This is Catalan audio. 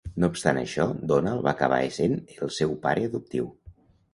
No obstant això, Donald va acabar essent el seu pare adoptiu.